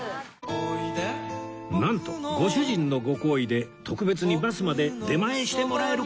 なんとご主人のご厚意で特別にバスまで出前してもらえる事に